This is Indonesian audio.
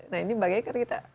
nah ini mbak gekar kita